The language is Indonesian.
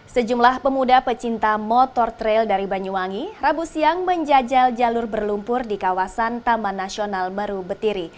sejumlah pemuda pecinta motor trail dari banyuwangi rabu siang menjajal jalur berlumpur di kawasan taman nasional baru betiri